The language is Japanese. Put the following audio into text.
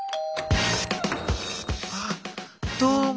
ああどうも。